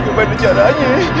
gak ada caranya